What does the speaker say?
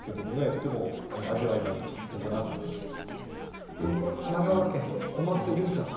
とても味わいがある歌だなと思いました。